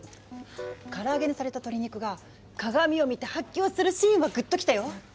から揚げにされた鶏肉が鏡を見て発狂するシーンはグッときたよ。